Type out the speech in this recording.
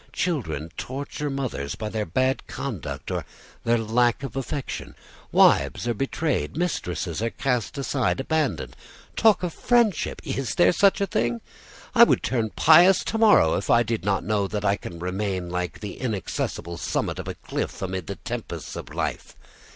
Children torture mothers by their bad conduct, or their lack of affection. Wives are betrayed. Mistresses are cast aside, abandoned. Talk of friendship! Is there such a thing! I would turn pious to morrow if I did not know that I can remain like the inaccessible summit of a cliff amid the tempests of life.